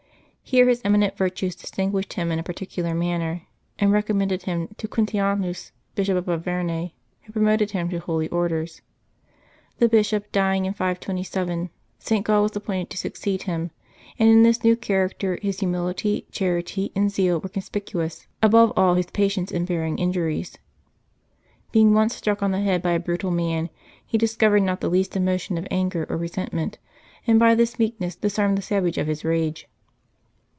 Here his eminent virtues distinguished him in a particular manner, and recommended him to Quintianus, Bishop of Auvergne, who promoted him to holy orders. The bishop dying in 527, St. Gal was appointed to succeed him, and in this new character his humility, charity, and zeal were conspicuous ; aboTe all, his patience in bearing injuries. Being once struck on the head by a brutal man, he discovered not the least emotion of anger or resentment, and by this meekness disarmed the savage of his rage.